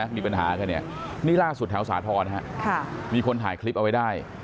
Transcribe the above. มีปัญหากันเนี่ยนี่ล่าสุดแถวสาธรณ์มีคนถ่ายคลิปเอาไว้ได้